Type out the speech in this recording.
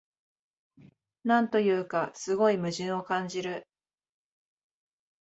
なんというか、すごい矛盾を感じる